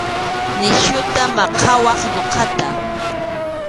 Nisyuta maqawaq ñuqata.